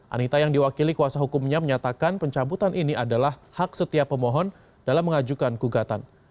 anita yang diwakili kuasa hukumnya menyatakan pencabutan ini adalah hak setiap pemohon dalam mengajukan gugatan